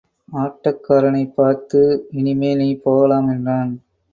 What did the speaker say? ஆட்டக்காரனைப் பார்த்து, இனிமேல் நீ போகலாம்! என்றான்.